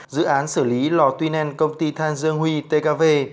dự án xử lý lò tuy nen công ty than dương huy tkv